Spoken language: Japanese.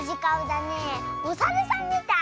おさるさんみたい。